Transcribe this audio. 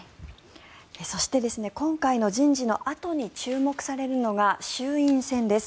そして今回の人事のあとに注目されるのが衆院選です。